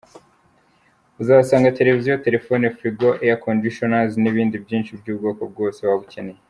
Uzahasanga televiziyo, telefoni, fligo, Airconditioners, n’ibindi byinshi by’ubwoko bwose waba ukeneye.